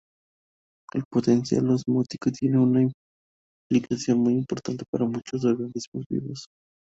El potencial osmótico tiene una implicación muy importante para muchos organismos vivos.